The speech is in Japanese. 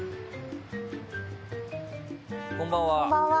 こんばんは。